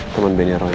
temen benya roy